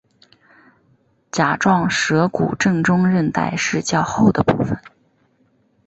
甲状舌骨正中韧带是较厚的部分。